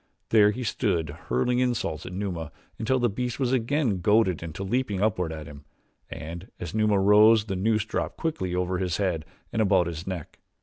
There he stood hurling insults at Numa until the beast was again goaded into leaping upward at him, and as Numa rose the noose dropped quickly over his head and about his neck.